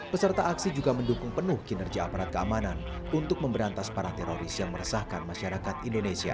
peserta aksi juga mendukung penuh kinerja aparat keamanan untuk memberantas para teroris yang meresahkan masyarakat indonesia